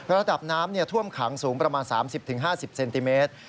ระดับน้ำท่วมขังสูงประมาณ๓๐๕๐เซนติเมตร